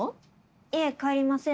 いえ帰りません。